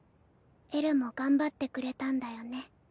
えるも頑張ってくれたんだよね。